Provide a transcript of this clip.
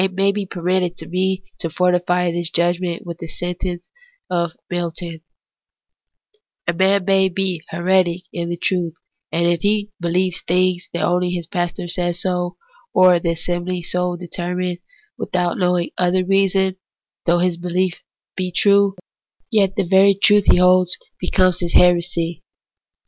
It may be permitted me to fortify this judgment with the sentence of Milton ^—' A man may be a heretic in the truth ; and if he believe things only because his pastor says so, or the assembly so determine, without knowing other reason, though his behef be true, yet the very truth he holds becomes his heresy.'